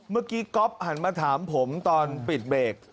เมื่อกี้ก๊อฟหันมาถามผมตอนปิดเบรก